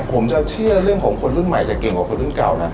ผมจะเชื่อเรื่องของคนรุ่นใหม่จะเก่งกว่าคนรุ่นเก่านะ